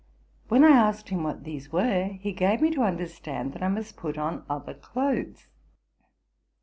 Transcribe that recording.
'' When I asked him what these were, he gave me to understand that I must put on other clothes.